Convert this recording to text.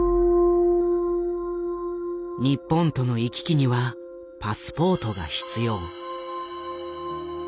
日本との行き来にはパスポートが必要。